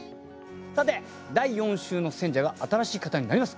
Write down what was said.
さて第４週の選者が新しい方になります。